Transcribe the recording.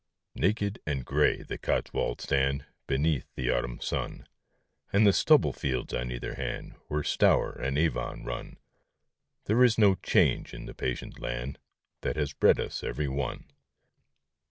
Naked and grey the Cotswolds stand Before Beneath the autumn sun, Edgehill And the stubble fields on either hand October Where Stour and Avon run, 1642. There is no change in the patient land That has bred us every one.